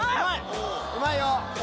うまいよ！